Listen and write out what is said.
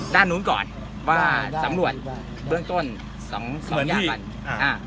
ด้านนู้นก่อนว่าสำรวจเบื้องต้นสองสองอย่างอ่า